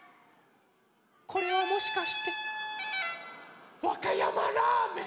これはもしかしてわかやまラーメン！